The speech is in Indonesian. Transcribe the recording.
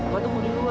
papa nunggu di luar